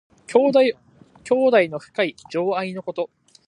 兄弟の深い情愛のこと。